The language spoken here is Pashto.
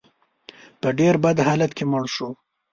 په ډېر بد حالت کې مړ شو.